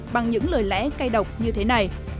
bằng những lời lẽ cay độc như thế này